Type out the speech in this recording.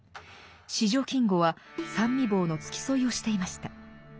四条金吾は三位房の付き添いをしていました。